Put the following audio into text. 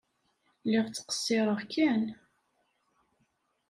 Lliɣ ttqeṣṣireɣ kan.